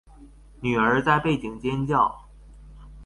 女兒在背景尖叫